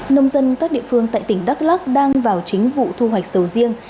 nông dân các địa phương tại tỉnh đắk lắc đang vào chính vụ thu hoạch sầu riêng